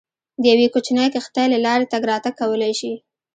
د یوې کوچنۍ کښتۍ له لارې تګ راتګ کولای شي.